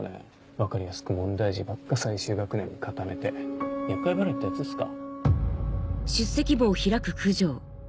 分かりやすく問題児ばっか最終学年で固めて厄介払いってやつっすか？